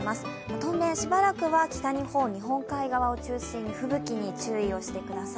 当面、しばらくは北日本、日本海側を中心に吹雪に気をつけてください。